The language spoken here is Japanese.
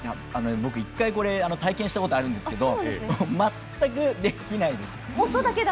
僕１回体験したことがあるんですが全くできない。